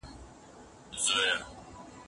سوپرنووا منځني او لوی ستوري انفجاروي.